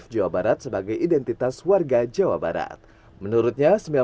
jawa barat dua ribu dua puluh tiga